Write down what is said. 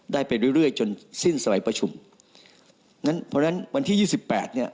ได้ไปเรื่อยจนสิ้นสมัยประชุมเพราะฉะนั้นวันที่๒๘เนี่ย